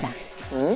うん？